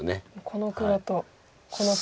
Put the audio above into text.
この黒とこの黒。